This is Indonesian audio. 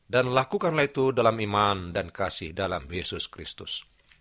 dan lakukanlah itu dalam iman dan kasih dalam yesus kristus